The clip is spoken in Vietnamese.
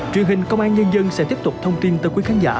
truyền hình công an nhân dân sẽ tiếp tục thông tin tới quý khán giả